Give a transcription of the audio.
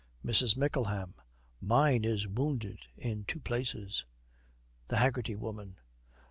MRS. MICKLEHAM. 'Mine is wounded in two places.' THE HAGGERTY WOMAN.